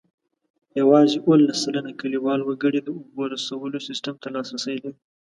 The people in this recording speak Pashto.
یوازې اوولس سلنه کلیوال وګړي د اوبو رسولو سیسټم ته لاسرسی لري.